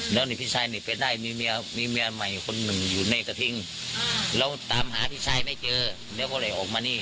แล้วนี่พี่ชายนี่ไปได้มีเมียมีเมียใหม่คนหนึ่งอยู่ในกระทิงแล้วตามหาพี่ชายไม่เจอแล้วก็เลยออกมานี่